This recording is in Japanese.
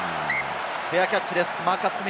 フェアキャッチです。